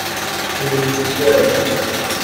بروکسل